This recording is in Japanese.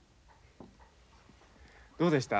どうでした？